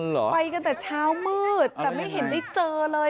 ไปกันแต่เช้ามืดแต่ไม่เห็นได้เจอเลย